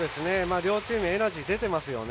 両チームエナジー出てますよね。